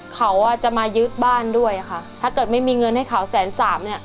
เขาอ่ะจะมายึดบ้านด้วยค่ะถ้าเกิดไม่มีเงินให้เขาแสนสามเนี้ย